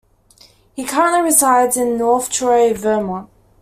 He currently resides in North Troy, Vermont.